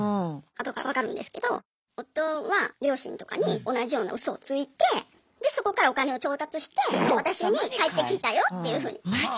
後から分かるんですけど夫は両親とかに同じようなウソをついてでそこからお金を調達して私に「返ってきたよ」っていうふうに。